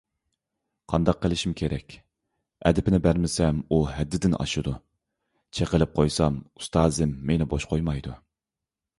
قانداق قىلىش كېرەك، ئەدىپىنى بەرمىسەم، ئۇ ھەددىدىن ئاشىدۇ، چېقىلىپ قويسام، ئۇستازىم مېنى بوش قويمايدۇ.